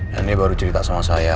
dan dia baru cerita sama saya